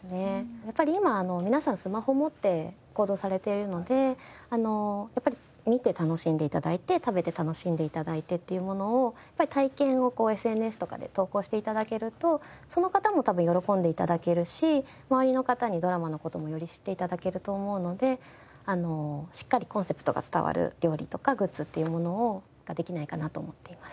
やっぱり今皆さんスマホ持って行動されているのでやっぱり見て楽しんで頂いて食べて楽しんで頂いてっていうものを体験をＳＮＳとかで投稿して頂けるとその方も多分喜んで頂けるし周りの方にドラマの事もより知って頂けると思うのでしっかりコンセプトが伝わる料理とかグッズっていうものができないかなと思っています。